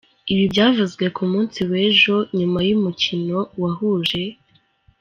Ibi byavuzwe ku munsi wejo nyuma yumukino wahuje.